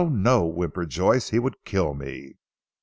No!" whimpered Joyce, "he would kill me."